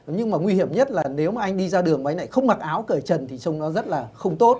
nhưng mà nguy hiểm nhất là nếu mà anh đi ra đường anh này không mặc áo cờ trần thì trông nó rất là không tốt